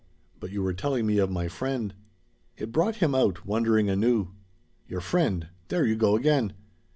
"But you were telling me of my friend." It brought him out, wondering anew. "Your friend! There you go again!